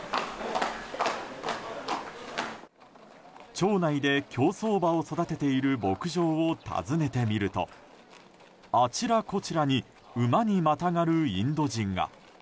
町内で競走馬を育てている牧場を訪ねてみるとあちらこちらに馬にまたがるインド人が。